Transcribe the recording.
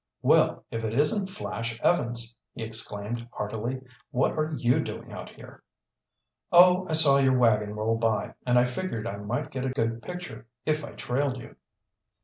"Well, if it isn't Flash Evans!" he exclaimed heartily. "What are you doing out here?" "Oh, I saw your wagon roll by, and I figured I might get a good picture if I trailed you."